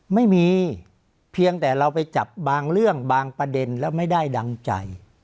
ไม่มีเพียงแต่เราไปจับบางเรื่องบางประเด็นแล้วไม่ได้ดังใจ